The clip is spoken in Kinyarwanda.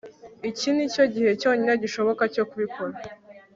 Iki nicyo gihe cyonyine gishoboka cyo kubikora